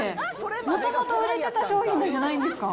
もともと売れてた商品なんじゃないですか？